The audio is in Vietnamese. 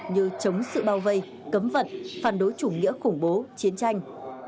như chống sự bao vây cấm vận phản đối chủ nghĩa khủng bố chiến tranh